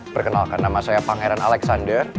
perkenalkan nama saya pangeran alexander